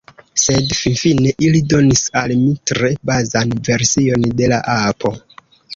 Sed finfine ili donis al mi tre bazan version de la apo.